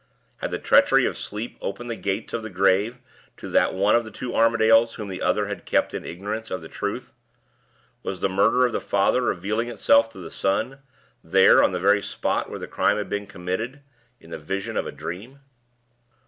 Had the treachery of Sleep opened the gates of the grave to that one of the two Armadales whom the other had kept in ignorance of the truth? Was the murder of the father revealing itself to the son there, on the very spot where the crime had been committed in the vision of a dream?